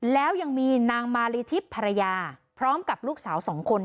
แล้วยังมีนางมาลีทิพย์ภรรยาพร้อมกับลูกสาวสองคน